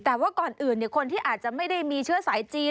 แต่ว่าก่อนอื่นคนที่อาจจะไม่ได้มีเชื้อสายจีน